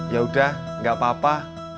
yaudah gak apa apa